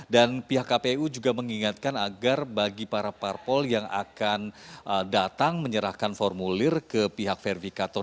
dan pihak kpu juga mengingatkan agar bagi para parpol yang akan datang menyerahkan formulir ke pihak verifikator